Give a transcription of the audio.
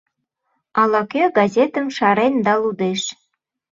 Ала-кӧ газетым шарен да лудеш.